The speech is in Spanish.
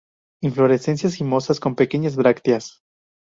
Inflorescencias cimosas con pequeñas brácteas.